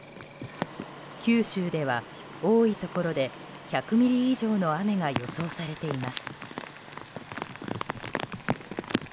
九州では多いところで１００ミリ以上の雨が予想されています。